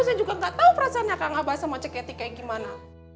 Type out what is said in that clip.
saya juga gak tau perasaan kang abah sama ceket ket kayak gimana